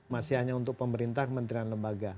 masih hanya untuk pemerintah kementerian lembaga